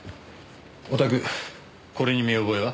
おたくこれに見覚えは？